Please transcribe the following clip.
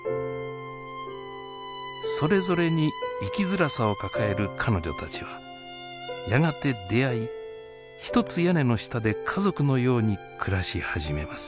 それぞれに生きづらさを抱える彼女たちはやがて出会い一つ屋根の下で家族のように暮らし始めます。